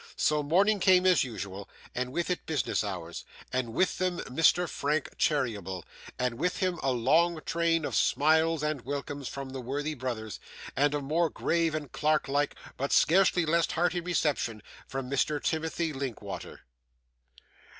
So, morning came as usual, and with it business hours, and with them Mr Frank Cheeryble, and with him a long train of smiles and welcomes from the worthy brothers, and a more grave and clerk like, but scarcely less hearty reception from Mr. Timothy Linkinwater.